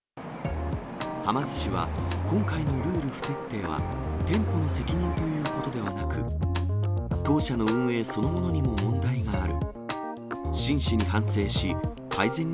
はま寿司は、今回のルール不徹底は、店舗の責任ということではなく、当社の運営そのものにも問題がある。